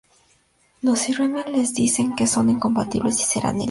Los Cybermen les dicen que son incompatibles y serán eliminados...